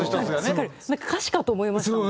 歌詞かと思いましたもん。